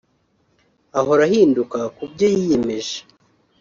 ahora ahinduka kubyo yiyemeje